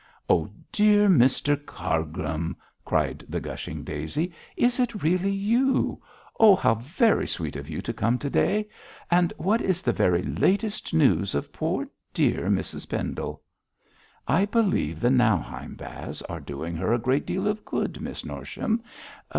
'Oh, dear Mr Cargrim!' cried the gushing Daisy, 'is it really you? Oh, how very sweet of you to come to day! And what is the very latest news of poor, dear Mrs Pendle?' 'I believe the Nauheim baths are doing her a great deal of good, Miss Norsham.